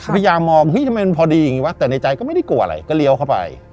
พยายามมองเฮ้ยทำไมมันพอดีอย่างนี้วะแต่ในใจก็ไม่ได้กลัวอะไรก็เลี้ยวเข้าไป